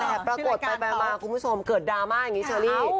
แต่ปรากฏไปมาคุณผู้ชมเกิดดราม่าอย่างนี้เชอรี่